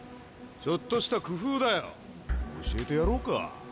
ちょっとした工夫だよ。教えてやろうか？